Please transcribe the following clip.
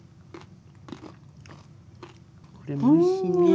これもおいしいね。